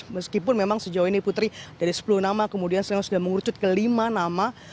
meskipun memang sejauh ini putri dari sepuluh nama kemudian sekarang sudah mengurucut ke lima nama